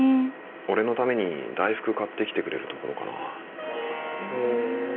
俺のために大福買ってきてくれるところかなへえ